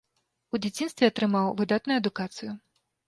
У дзяцінстве атрымаў выдатную адукацыю.